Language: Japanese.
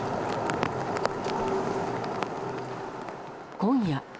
今夜。